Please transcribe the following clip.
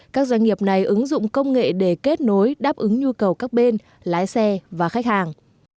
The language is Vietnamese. các doanh nghiệp này ứng dụng công nghệ để kết nối đáp ứng nhu cầu các bên lái xe và khách hàng